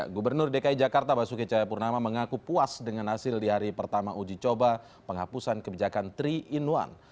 gubernur dki jakarta basuki cahayapurnama mengaku puas dengan hasil di hari pertama uji coba penghapusan kebijakan tiga in satu